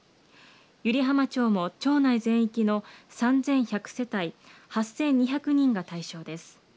湯梨浜町も町内全域の３１００世帯８２００人が対象です。